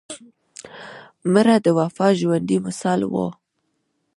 مړه د وفا ژوندي مثال وه